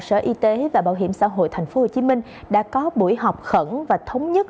sở y tế và bảo hiểm xã hội tp hcm đã có buổi họp khẩn và thống nhất